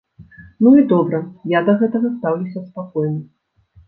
Ну і добра, я да гэтага стаўлюся спакойна.